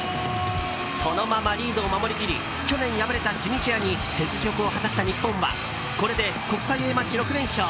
そのままリードを守りきり去年、敗れたチュニジアに雪辱を果たした日本はこれで国際Ａマッチ６連勝。